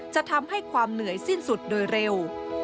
จะทำให้ความเหนื่อยสิ้นสุดโดยเร็ว